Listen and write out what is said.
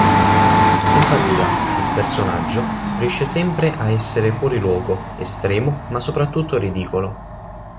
Simpatia, il personaggio, riesce sempre a essere fuori luogo, estremo, ma soprattutto ridicolo.